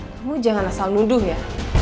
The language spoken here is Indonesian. kamu jangan asal nuduh ya